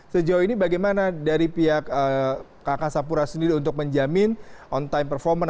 sejauh ini bagaimana dari pihak kakak sapura sendiri untuk menjamin on time performance